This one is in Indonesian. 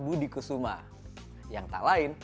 sejak saat fenomeniso satu meme ball kembali terlalu jauh